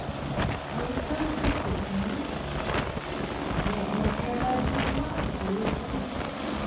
There is no place of muteness ! Yea, my paradise is lost in i this moment